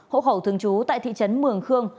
hậu khẩu thương chú tại thị trấn mường khương